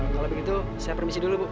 kalau begitu saya permisi dulu bu